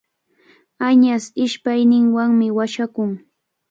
Añas ishpayninwanmi washakun.